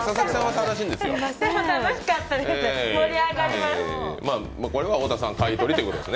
楽しかったです